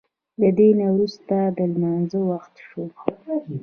له دې نه وروسته د لمانځه وخت شو.